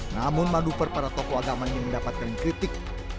namun madu per para tokoh agama ini mendapatkan kritik